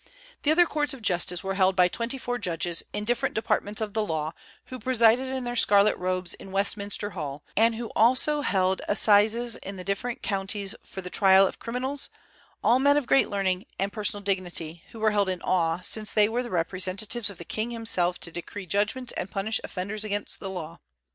The other courts of justice were held by twenty four judges, in different departments of the law, who presided in their scarlet robes in Westminster Hall, and who also held assizes in the different counties for the trial of criminals, all men of great learning and personal dignity, who were held in awe, since they were the representatives of the king himself to decree judgments and punish offenders against the law.